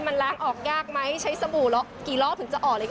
มันล้างออกยากไหมใช้สบู่กี่รอบถึงจะออกเลย